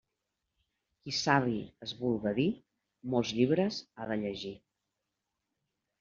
Qui savi es vulga dir, molts llibres ha de llegir.